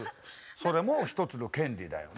それも一つの権利だよね。